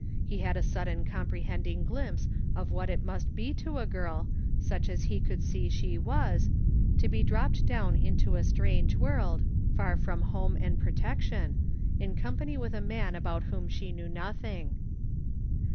He had a sudden comprehending glimpse of what it must be to a girl, such as he could see she was, to be dropped down into a strange world, far from home and protec 55 THE FINDING OF JASPER HOLT tion, in company with a man about whom she knew nothing.